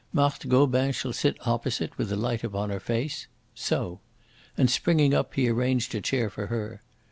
"Marthe Gobin shall sit opposite, with the light upon her face. So!" And, springing up, he arranged a chair for her.